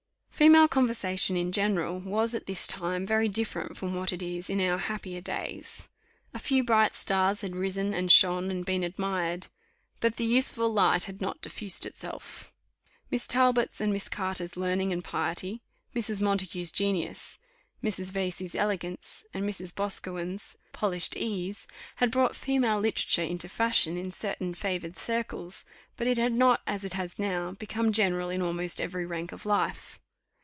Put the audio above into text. Female conversation in general was, at this time, very different from what it is in our happier days. A few bright stars had risen, and shone, and been admired; but the useful light had not diffused itself. Miss Talbot's and Miss Carter's learning and piety, Mrs. Montague's genius, Mrs. Vesey's elegance, and Mrs. Boscawen's [Footnote: See Bas Bleu.] "polished ease," had brought female literature into fashion in certain favoured circles; but it had not, as it has now, become general in almost every rank of life.